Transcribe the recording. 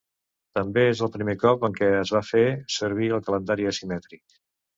També és el primer cop en què es va fer servir un calendari asimètric.